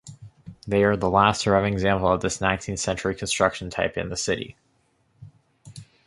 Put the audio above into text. They are the last surviving example of this nineteenth-century construction type in the city.